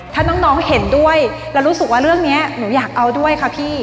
ถ้าน้องเห็นด้วยแล้วรู้สึกว่าเรื่องนี้หนูอยากเอาด้วยค่ะพี่